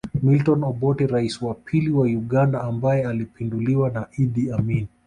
Milton Obote Rais wa pili wa Uganda ambaye alipinduliwa na Idi Amin